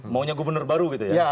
maunya gubernur baru gitu ya